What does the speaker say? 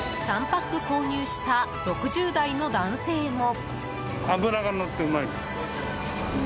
３パック購入した６０代の男性も。